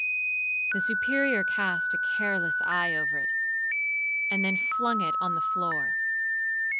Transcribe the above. The Superior cast a careless eye over it, and then flung it on the floor.